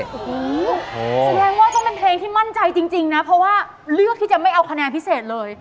แสดงว่าต้องเป็นเพลงที่มั่นใจจริงนะเพราะว่าเลือกที่จะไม่เอาคะแนนพิเศษเลย